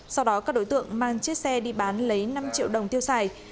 sau đó các đối tượng mang chiếc xe đi bán lấy năm triệu đồng tiêu xài